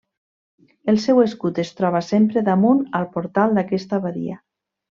El seu escut es troba sempre damunt al portal d'aquesta abadia.